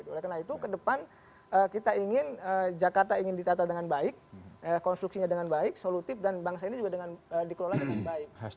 oleh karena itu ke depan kita ingin jakarta ingin ditata dengan baik konstruksinya dengan baik solutif dan bangsa ini juga dikelola dengan baik